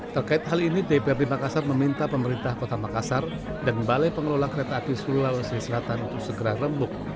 terkait hal ini dprd makassar meminta pemerintah kota makassar dan balai pengelola kereta api sulawesi selatan untuk segera rembuk